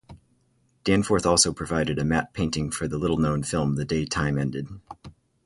Danforth also provided a matte painting for the little-known film, "The Day Time Ended".